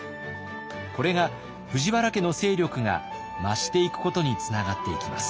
これが藤原家の勢力が増していくことにつながっていきます。